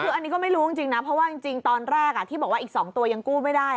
คืออันนี้ก็ไม่รู้จริงนะเพราะว่าจริงตอนแรกที่บอกว่าอีก๒ตัวยังกู้ไม่ได้